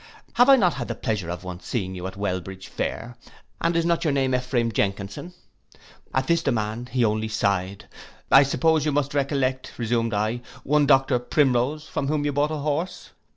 Have I not had the pleasure of once seeing you at Welbridge fair, and is not your name Ephraim Jenkinson?' At this demand he only sighed. 'I suppose you must recollect,' resumed I, 'one Doctor Primrose, from whom you bought a horse.